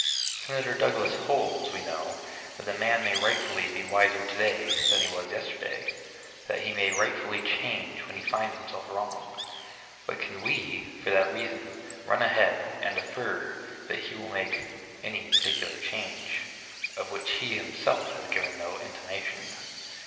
Senator Douglas holds, we know, that a man may rightfully be wiser to day than he was yesterday—that he may rightfully change when he finds himself wrong. But can we, for that reason run ahead, and infer that he will make any particular change, of which he himself has given no intimation?